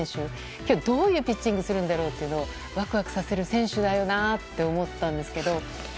今日どういうピッチングするんだろうってワクワクさせる選手だよなって思ったんですけど。